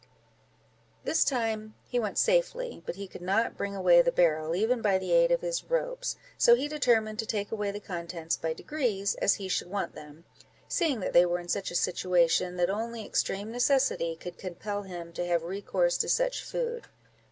This time he went safely, but he could not bring away the barrel, even by the aid of his ropes; so he determined to take away the contents by degrees, as he should want them, seeing that they were in such a situation, that only extreme necessity could compel him to have recourse to such food.